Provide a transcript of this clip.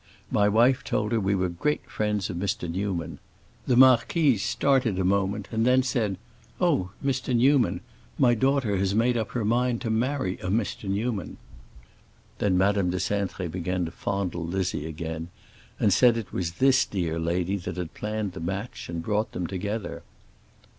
My wife told her we were great friends of Mr. Newman. The marquise started a moment, and then said, 'Oh, Mr. Newman! My daughter has made up her mind to marry a Mr. Newman.' Then Madame de Cintré began to fondle Lizzie again, and said it was this dear lady that had planned the match and brought them together.